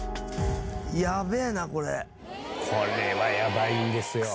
これはやばいんですよ。